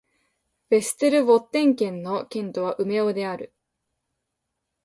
ヴェステルボッテン県の県都はウメオである